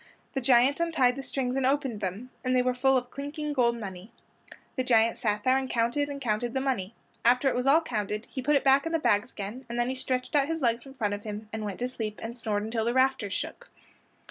The giant untied the strings and opened them, and they were full of clinking golden money. The giant sat there and counted and counted the money. After it was all counted he put it back in the bags again, and then he stretched his legs out in front of him and went to sleep and snored until the rafters shook.